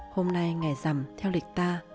hôm nay ngày rằm theo lịch ta